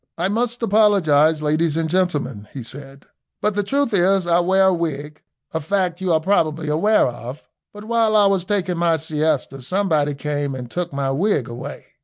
"I must apologise, ladies and gentlemen," he said, "but the truth is, I wear a wig, a fact you are probably aware of; but while I was taking my siesta somebody came and took my wig away.